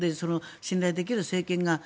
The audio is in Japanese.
信頼できる政権が。